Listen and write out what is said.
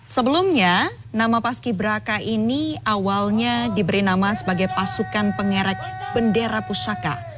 sebelumnya nama paski beraka ini awalnya diberi nama sebagai pasukan pengerek bendera pusaka